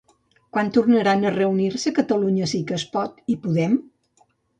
Quan tornaran a reunir-se Catalunya Sí que es Pot i Podem?